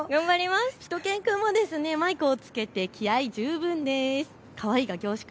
しゅと犬くんもマイクをつけて気合い十分です。